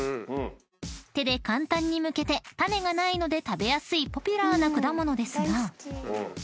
［手で簡単にむけて種がないので食べやすいポピュラーな果物ですが］